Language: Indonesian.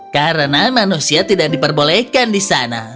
karena manusia tidak diperbolehkan di sana